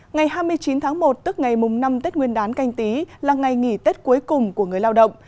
ngày hai mươi chín tháng một tức ngày mùng năm tết nguyên đán canh tí là ngày nghỉ tết cuối cùng của người lao động